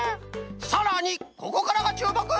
さらにここからがちゅうもく！